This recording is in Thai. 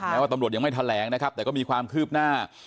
ว่าตำรวจยังไม่แถลงนะครับแต่ก็มีความคืบหน้า